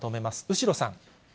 後呂さん。